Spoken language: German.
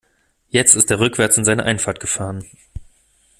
Jetzt ist er rückwärts in seine Einfahrt gefahren.